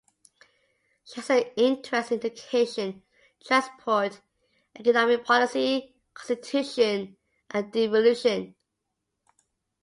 She has an interest in education, transport, economic policy, constitution and devolution.